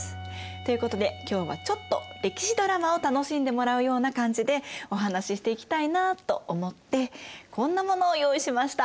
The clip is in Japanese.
ということで今日はちょっと歴史ドラマを楽しんでもらうような感じでお話ししていきたいなあと思ってこんなものを用意しました。